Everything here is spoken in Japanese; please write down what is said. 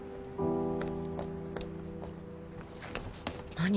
何？